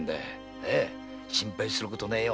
心配することねえよ。